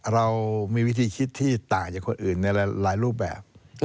เรามีวิธีคิดที่ต่างจากคนอื่นในหลายรูปแบบ